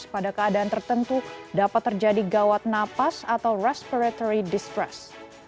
pada keadaan tertentu dapat terjadi gawat napas atau respiratory distress